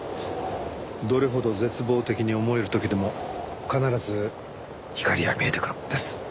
どれほど絶望的に思える時でも必ず光は見えてくるもんです。